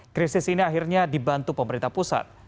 krisis ini akhirnya dibantu pemerintah pusat